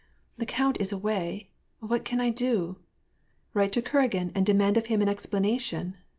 " The count is away. What can I do ? Write to Kuragin and demand of him an explanation